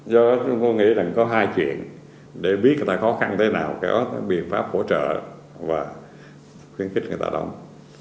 do đó tôi nghĩ rằng có hai chuyện để biết người ta khó khăn thế nào cái đó là biện pháp hỗ trợ và khuyến khích người ta đóng